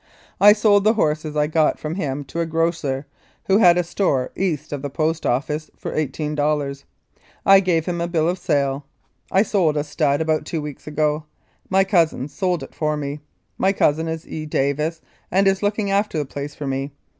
I sold the horses I got from him to a grocer, who has a store east of the Post Office, for $18. I gave him a bill of sale. I sold a stud about two weeks ago. My cousin sold it for me. My cousin is E. Davis and is looking after the place for me.